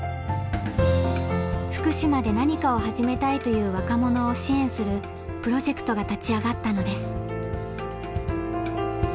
福島で何かを始めたいという若者を支援するプロジェクトが立ち上がったのです。